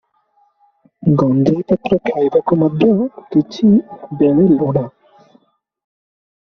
ଗଞ୍ଜେଇ ପତ୍ର ଖାଇବାକୁ ମଧ୍ୟ କିଛି ବେଳ ଲୋଡ଼ା ।